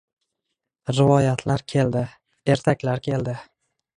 Rivoyatlar keldi, ertaklar keldi